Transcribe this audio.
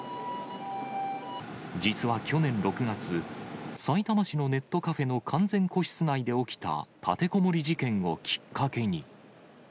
実は去年６月、さいたま市のネットカフェの完全個室内で起きた立てこもり事件をきっかけに。